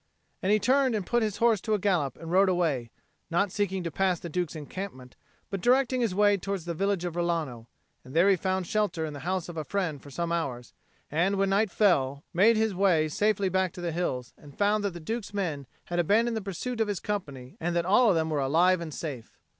And he turned and put his horse to a gallop and rode away, not seeking to pass the Duke's encampment, but directing his way towards the village of Rilano; and there he found shelter in the house of a friend for some hours, and when night fell, made his way safely back to the hills, and found that the Duke's men had abandoned the pursuit of his company and that all of them were alive and safe.